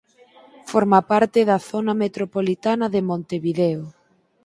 Forma parte da zona metropolitana de Montevideo.